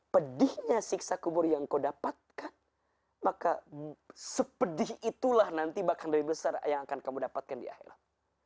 pedihnya siksa kubur yang kau dapatkan maka sepedih itulah nanti bahkan lebih besar yang akan kamu dapatkan di akhirat